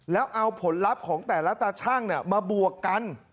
แล้วเอาผลลัพธ์ของแต่ละตาชั่งมาบวกกัน